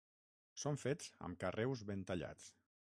Són fets amb carreus ben tallats.